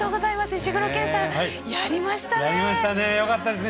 石黒賢さん、やりましたね。